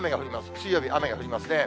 水曜日、雨が降りますね。